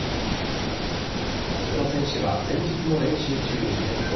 宇野選手は前日の練習中に転倒。